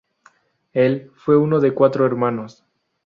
Él fue uno de cuatro hermanos.